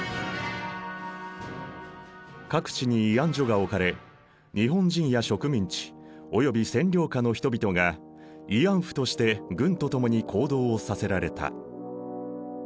各地に慰安所が置かれ日本人や植民地および占領下の人々が慰安婦として軍と共に行動をさせられた。